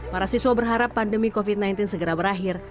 para siswa berharap pandemi covid sembilan belas segera berakhir